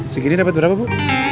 segini dapat berapa bu